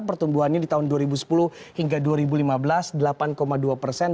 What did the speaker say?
pertumbuhannya di tahun dua ribu sepuluh hingga dua ribu lima belas delapan dua persen